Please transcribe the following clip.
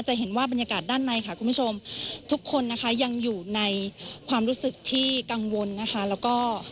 จะเห็นว่าบรรยากาศด้านในค่ะคุณผู้ชมทุกคนนะคะยังอยู่ในความรู้สึกที่กังวลนะคะแล้วก็